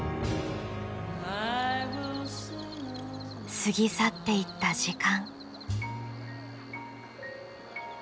過ぎ去っていった時間。